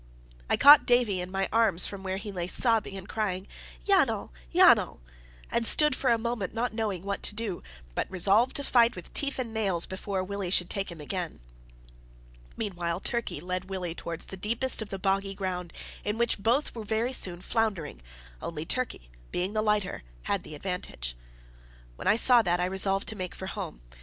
I caught Davie in my arms from where he lay sobbing and crying "Yanal! Yanal!" and stood for a moment not knowing what to do, but resolved to fight with teeth and nails before Willie should take him again. Meantime Turkey led Willie towards the deepest of the boggy ground, in which both were very soon floundering, only Turkey, being the lighter, had the advantage. When I saw that, I resolved to make for home.